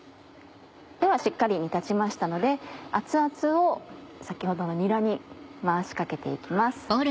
ではしっかり煮立ちましたので熱々を先ほどのにらに回しかけて行きます。